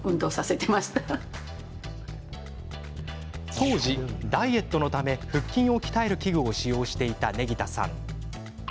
当時、ダイエットのため腹筋を鍛える器具を使用していた祢宜田さん。